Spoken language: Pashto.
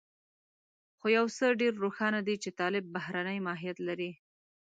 خو يو څه ډېر روښانه دي چې طالب بهرنی ماهيت لري.